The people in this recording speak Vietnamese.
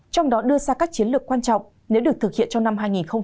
trong đó đưa ra các chiến lược quan trọng nếu được thực hiện trong năm hai nghìn hai mươi